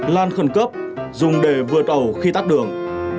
lan khẩn cấp dùng để vượt ẩu khi tắt đường